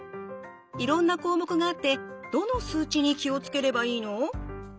いろんな項目があってどの数値に気を付ければいいの？